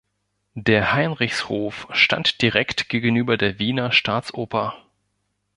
Der Heinrichshof stand direkt gegenüber der Wiener Staatsoper.